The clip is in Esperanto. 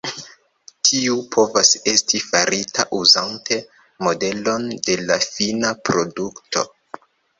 Tiu povas esti farita uzante modelon de la fina produkto.